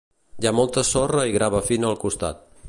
Hi ha molta sorra i grava fina al costat.